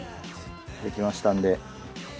これでできましたんで。